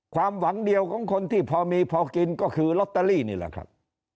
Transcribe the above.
ความหวังเดียวของคนที่พอมีพอกินก็คือลอตเตอรี่นี่แหละครับ